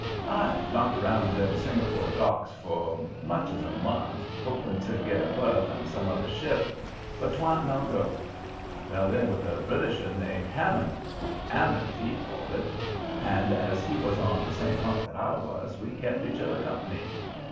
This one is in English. "I knocked round them Singapore docks for much as a month, hoping to get a berth on some other ship, but 'twan't no go. I fell in with a Britisher named Hammond, 'Ammond, he called it, and as he was on the same hunt that I was, we kept each other comp'ny.